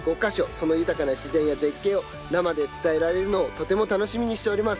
その豊かな自然や絶景を生で伝えられるのをとても楽しみにしております。